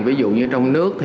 ví dụ như trong nước